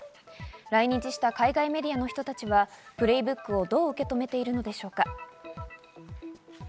来日した海外メディアの人たちはプレイブックをどう受け止めているのでしょうか。